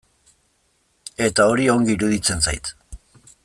Eta hori ongi iruditzen zait.